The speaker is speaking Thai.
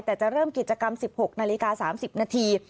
แต่จะเริ่มกิจกรรม๑๖นาฬิกา๓๐นาที